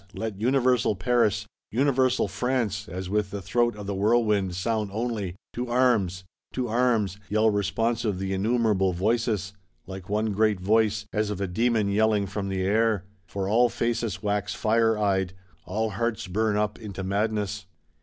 Let universal Paris, universal France, as with the throat of the whirlwind, sound only: To arms!—'To arms!' yell responsive the innumerable voices: like one great voice, as of a Demon yelling from the air: for all faces wax fire eyed, all hearts burn up into madness.